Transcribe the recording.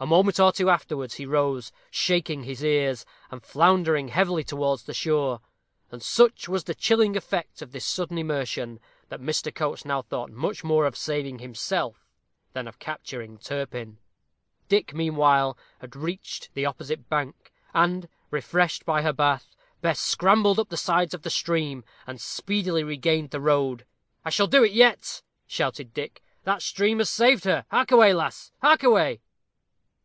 A moment or two afterwards he rose, shaking his ears, and floundering heavily towards the shore; and such was the chilling effect of this sudden immersion, that Mr. Coates now thought much more of saving himself than of capturing Turpin. Dick, meanwhile, had reached the opposite bank, and, refreshed by her bath, Bess scrambled up the sides of the stream, and speedily regained the road. "I shall do it yet," shouted Dick; "that stream has saved her. Hark away, lass! Hark away!"